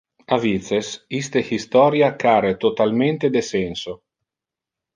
A vices, iste historia care totalmente de senso.